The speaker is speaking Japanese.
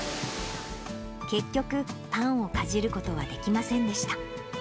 結局、パンをかじることはできませんでした。